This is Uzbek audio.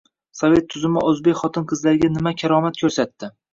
«Sovet tuzumi o‘zbek xotin-qizlariga nima karomat ko‘rsatdi?